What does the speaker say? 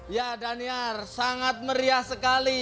ya daniar sangat meriah sekali